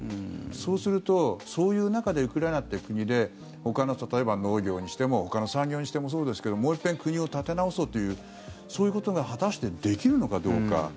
そうすると、そういう中でウクライナっていう国でほかの、例えば農業にしてもほかの産業にしてもそうですけどもう一遍、国を立て直そうというそういうことが果たしてできるのかどうか。